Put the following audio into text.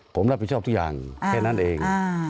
ผมรับผิดชอบทุกอย่างแค่นั้นเอง